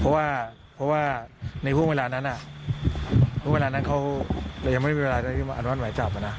เพราะว่าเพราะว่าในพวกเวลานั้นอ่ะพวกเวลานั้นเขายังไม่มีเวลาได้ที่มาอนุญาตหมายจับอ่ะน่ะ